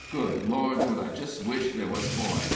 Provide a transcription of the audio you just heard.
Good Lord, don't I jist wish they wuz boys!